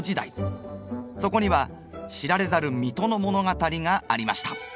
そこには知られざる水戸の物語がありました。